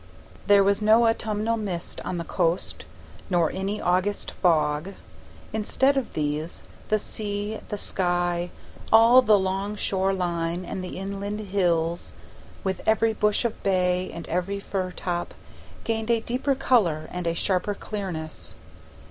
There was no autumnal mist on the coast, nor any August fog; instead of these, the sea, the sky, all the long shore line and the inland hills, with every bush of bay and every fir top, gained a deeper color and a sharper clearness.